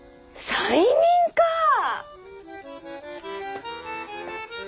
催眠かぁ！